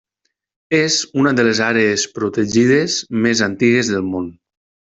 És una de les àrees protegides més antigues del món.